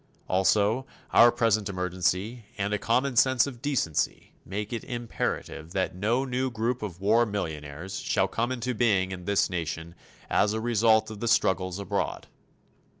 Also, our present emergency and a common sense of decency make it imperative that no new group of war millionaires shall come into being in this nation as a result of the struggles abroad.